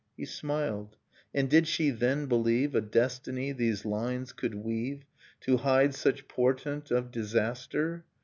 He smiled. And did she, then, believe A destiny these lines could weave To hide such portent of disaster?